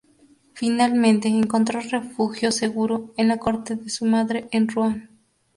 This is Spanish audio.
Finalmente encontró refugio seguro en la corte de su madre en Ruan.